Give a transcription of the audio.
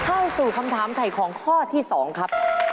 เข้าสู่คำถามถ่ายของข้อที่๒ครับ